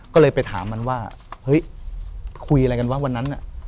ก็เลยไปถามมันว่าเฮ้ยคุยอะไรกันวะวันนั้น